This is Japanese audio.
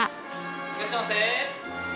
いらっしゃいませ。